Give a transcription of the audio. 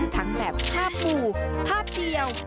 ทั้งแบบภาพหมู่ภาพเดียว